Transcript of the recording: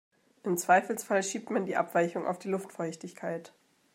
Im Zweifelsfall schiebt man die Abweichung auf die Luftfeuchtigkeit.